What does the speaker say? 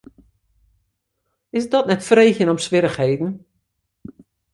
Is dat net freegjen om swierrichheden?